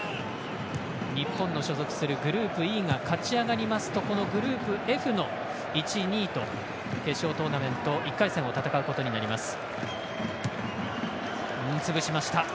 日本の所属するグループＥが勝ち上がりますとグループＦの１位、２位と決勝トーナメント１回戦を戦うことになります。